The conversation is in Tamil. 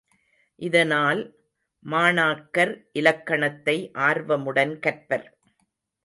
இதனால், மாணாக்கர் இலக்கணத்தை ஆர்வமுடன் கற்பர்.